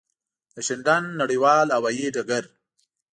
د شینډنډ نړېوال هوایی ډګر.